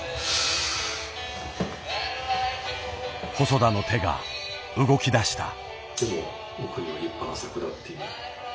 細田の手が動きだした。